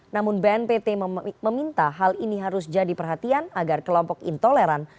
namun bnpt meminta hal ini harus jadi perhatian agar kelompok intoleran